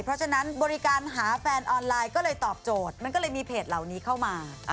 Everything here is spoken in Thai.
เพราะฉะนั้นบริการหาแฟนออนไลน์ก็เลยตอบโจทย์มันก็เลยมีเพจเหล่านี้เข้ามา